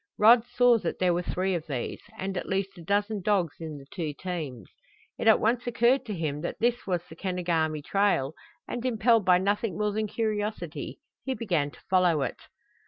Rod saw that there were three of these, and at least a dozen dogs in the two teams. It at once occurred to him that this was the Kenogami trail, and impelled by nothing more than curiosity he began to follow it.